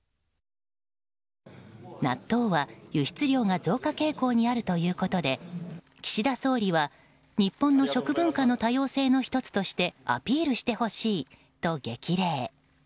納豆は輸出量が増加傾向にあるということで岸田総理は、日本の食文化の多様性の１つとしてアピールしてほしいと激励。